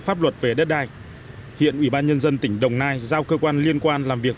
pháp luật về đất đai hiện ủy ban nhân dân tỉnh đồng nai giao cơ quan liên quan làm việc